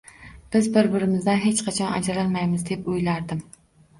Biz bir-birimizdan hech qachon ajralmaymiz, deb o‘ylardim